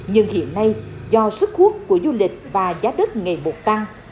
nhưng hiện nay do sức khuất của du lịch và giá đất ngày bột tăng